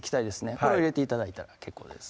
これを入れて頂いたら結構です